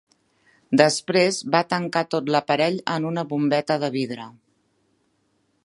Després, va tancar tot l'aparell en una bombeta de vidre.